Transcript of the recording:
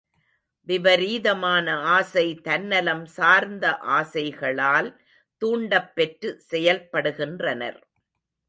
விபரீதமான ஆசை தன்னலம் சார்ந்த ஆசைகளால் தூண்டப்பெற்று செயல்படுகின்றனர்.